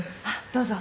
どうぞ。